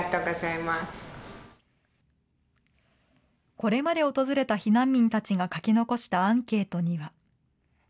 これまで訪れた避難民たちが書き残したアンケートには。